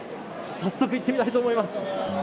さっそく行ってみたいと思います。